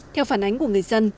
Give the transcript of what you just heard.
theo phản ánh của người dân